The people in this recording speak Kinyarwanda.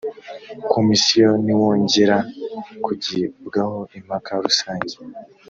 komisiyo ntiwongera kugibwaho impaka rusange